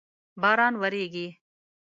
باران وریږی